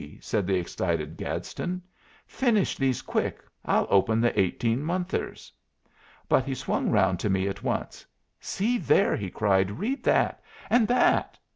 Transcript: said the excited Gadsden. "Finish these quick. I'll open the 18 monthers." But he swung round to me at once. "See there!" he cried. "Read that! and that!"